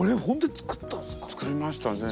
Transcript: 作りました全部。